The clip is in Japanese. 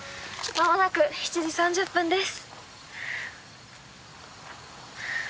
間もなく７時３０分です。